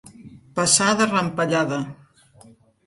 Passar de rampellada.